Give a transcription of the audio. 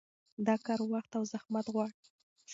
دا کار وخت او زحمت غواړي.